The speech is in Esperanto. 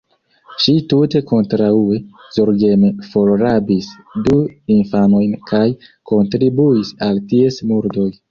Ŝi tute kontraŭe, zorgeme forrabis du infanojn kaj kontribuis al ties murdoj.